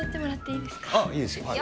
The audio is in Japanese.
いいですよ